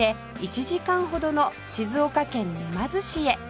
１時間ほどの静岡県沼津市へ